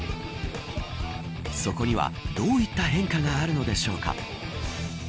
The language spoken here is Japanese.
そこには、どういった変化があるのでしょうか。